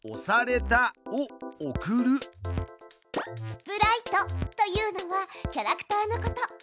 「スプライト」というのはキャラクターのこと。